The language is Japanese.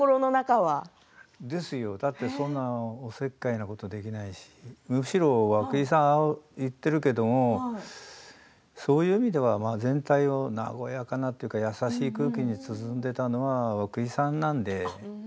そうですよだっておせっかいなことができないしむしろ、和久井さんが言っているけれどそういう意味では、全体を和やかな、優しい空気に包んでいたのは和久井さんなんで。